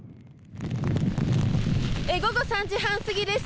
午後３時半過ぎです。